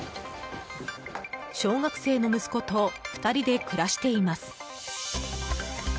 小学生の息子と２人で暮らしています。